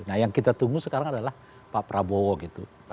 nah yang kita tunggu sekarang adalah pak prabowo gitu